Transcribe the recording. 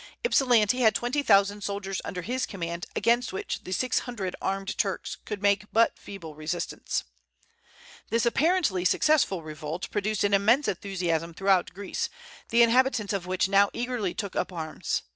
Ypsilanti had twenty thousand soldiers under his command, against which the six hundred armed Turks could make but feeble resistance. This apparently successful revolt produced an immense enthusiasm throughout Greece, the inhabitants of which now eagerly took up arms.